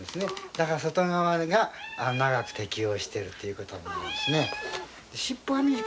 だから外側が長く適応しているということですね。